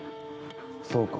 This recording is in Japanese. そうか。